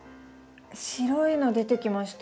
白いの出てきました。